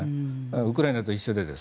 ウクライナと一緒で。